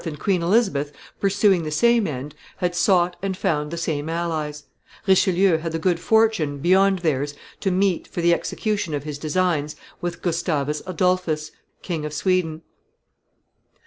and Queen Elizabeth, pursuing the same end, had sought and found the same allies: Richelieu had the good fortune, beyond theirs, to meet, for the execution of his designs, with Gustavus Adolphus, King of Sweden.